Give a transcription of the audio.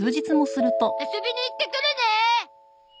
遊びに行ってくるね。